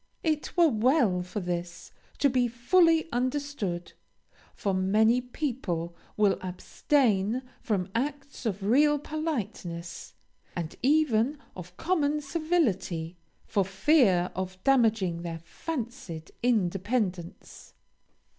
It were well for this to be fully understood, for many people will abstain from acts of real politeness, and even of common civility, for fear of damaging their fancied independence.